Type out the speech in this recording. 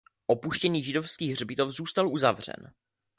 Opuštěný židovský hřbitov zůstal uzavřen.